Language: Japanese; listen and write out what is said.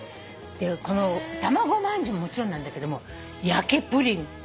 このたまごまんじゅうももちろんなんだけども焼きプリン